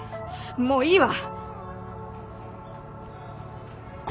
もういいわ！